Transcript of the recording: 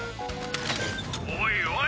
おいおい！